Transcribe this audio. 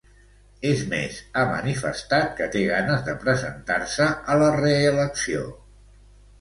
És més, ha manifestat que té ganes de presentar-se a la reelecció.